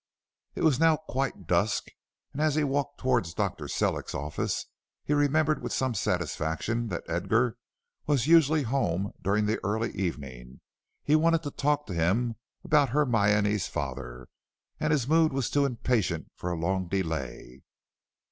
It was now quite dusk, and as he walked towards Dr. Sellick's office, he remembered with some satisfaction that Edgar was usually at home during the early evening. He wanted to talk to him about Hermione's father, and his mood was too impatient for a long delay.